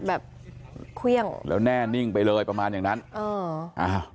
แบบเครื่องแล้วแน่นิ่งไปเลยประมาณอย่างนั้นเอออ้าว